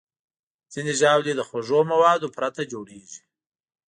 ځینې ژاولې د خوږو موادو پرته جوړېږي.